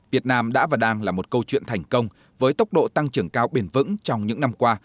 việt nam đã và đang là một câu chuyện thành công với tốc độ tăng trưởng cao bền vững trong những năm qua